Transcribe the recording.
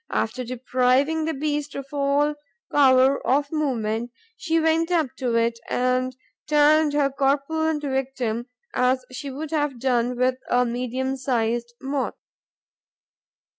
After depriving the beast of all power of movement, she went up to it and turned her corpulent victim as she would have done with a medium sized Moth.